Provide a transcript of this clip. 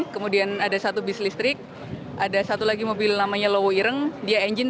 kemudian ada satu bis listrik ada satu lagi mobil namanya lowe ireng dia engine